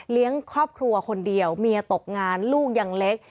ครอบครัวคนเดียวเมียตกงานลูกยังเล็ก